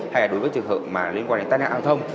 hay là đối với trường hợp mà liên quan đến tăng nhạc giao thông